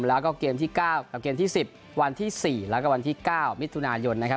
แล้วก็เกมที่๙กับเกมที่๑๐วันที่๔แล้วก็วันที่๙มิถุนายนนะครับ